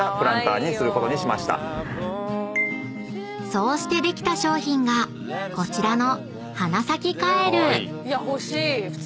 ［そうしてできた商品がこちらの］